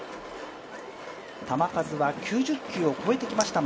球数は９０球を超えてきました